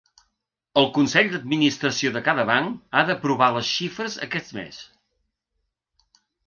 El consell d’administració de cada banc ha d’aprovar les xifres aquest mes.